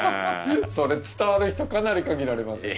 それ伝わる人かなり限られますよ。